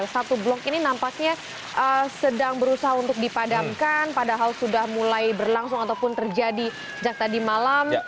satu blok ini nampaknya sedang berusaha untuk dipadamkan padahal sudah mulai berlangsung ataupun terjadi sejak tadi malam